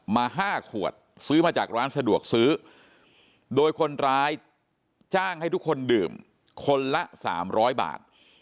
มา๕ขวดซื้อมาจากร้านสะดวกซื้อโดยคนร้ายจ้างให้ทุกคนดื่มคนละ๓๐๐บาท